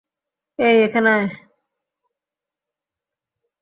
অ্যাই, এখানে আয়!